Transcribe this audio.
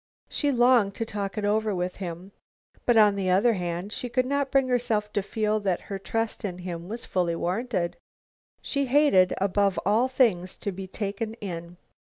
She longed to talk it over with him. But on the other hand, she could not bring herself to feel that her trust in him was fully warranted. She hated above all things to be "taken in."